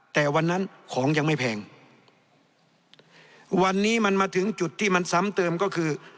แต่วันนั้นของยังไม่แพงวันนี้มันมาถึงจุดที่มันซ้ำเติมก็คือ